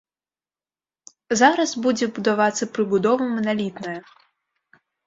Зараз будзе будавацца прыбудова маналітная.